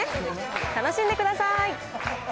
楽しんでください。